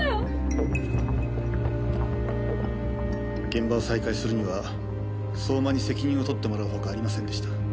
現場を再開するには相馬に責任を取ってもらうほかありませんでした。